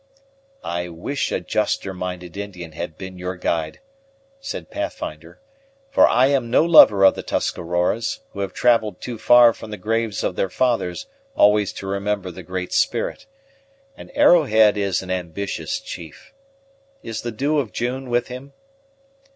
"I wish a juster minded Indian had been your guide," said Pathfinder; "for I am no lover of the Tuscaroras, who have travelled too far from the graves of their fathers always to remember the Great Spirit; and Arrowhead is an ambitious chief. Is the Dew of June with him?"